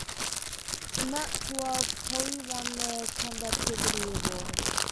In that Tour, Poli won the Combativity award.